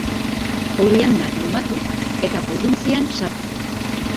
Oilanda lumatu eta burruntzian sartu.